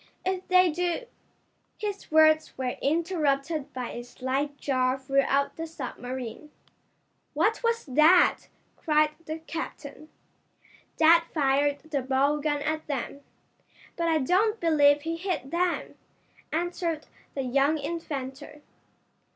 "If they do " His words were interrupted by a slight jar throughout the submarine. "What was that?" cried the captain. "Dad fired the bow gun at them, but I don't believe he hit them," answered the young inventor.